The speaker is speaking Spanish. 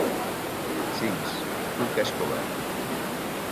Sims- Cuca Escobar